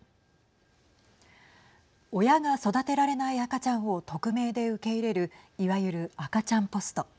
親が育てられない赤ちゃんを匿名で受け入れるいわゆる赤ちゃんポスト。